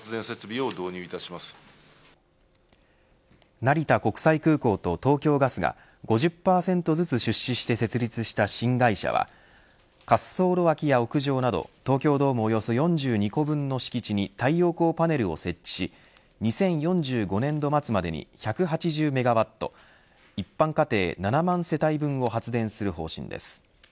成田国際空港と東京ガスが５０％ずつ出資して設立した新会社は滑走路脇や屋上など東京ドームおよそ４２個分の敷地に太陽光パネルを設置し２０４５年度末までに１８０メガワット一般家庭７万世帯分を発電する方針です。